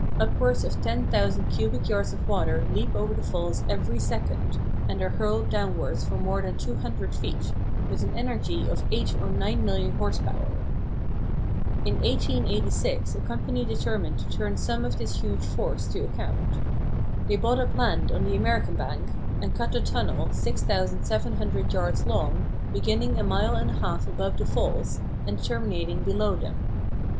Upwards of 10,000 cubic yards of water leap over the falls every second, and are hurled downwards for more than 200 feet, with an energy of eight or nine million horse power! In 1886 a company determined to turn some of this huge force to account. They bought up land on the American bank, and cut a tunnel 6700 yards long, beginning a mile and a half above the falls, and terminating below them.